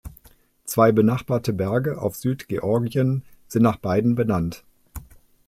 Zwei benachbarte Berge auf Südgeorgien sind nach beiden benannt.